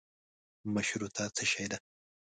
مشروطه څشي ده.